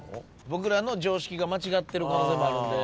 僕らの常識が間違ってる可能性もあるんで。